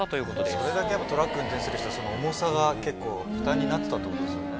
それだけトラック運転する人はその重さが結構負担になってたってことですよね。